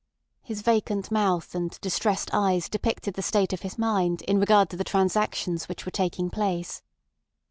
His vacant mouth and distressed eyes depicted the state of his mind in regard to the transactions which were taking place.